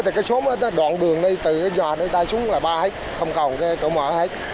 thì cái số đoạn đường này từ cái giò này tay xuống là ba hết không còn cái cửa mở hết